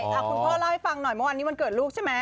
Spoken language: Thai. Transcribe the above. คุณพ่อเล่าให้ฟังหน่อยเมื่อวานนี้วันเกิดลูกใช่ไหม